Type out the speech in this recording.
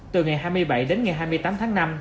từ ngày hai mươi bảy đến ngày hai mươi tám tháng năm